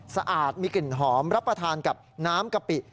สะอาดมีกลิ่นหอมรับประทานกับน้ำกะปิ